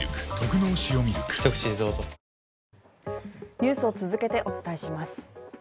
ニュースを続けてお伝えします。